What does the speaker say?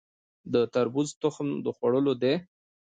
د تربوز تخم د خوړلو دی؟